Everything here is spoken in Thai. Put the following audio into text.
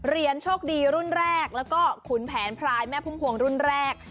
โชคดีรุ่นแรกแล้วก็ขุนแผนพรายแม่พุ่มพวงรุ่นแรก